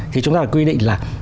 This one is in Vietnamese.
thì chúng ta quy định là